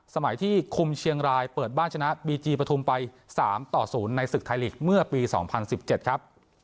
สมัยที่คุมเชียงรายเปิดบ้านชนะบีจีปฐุมไป๓ต่อ๐ในศึกไทยลีกเมื่อปี๒๐๑๗ครับ